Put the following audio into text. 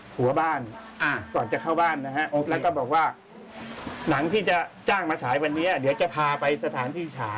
หัวบ้านก่อนจะเข้าบ้าน